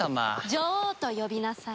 女王と呼びなさい。